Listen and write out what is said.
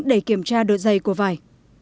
để kiểm tra độ dày của vải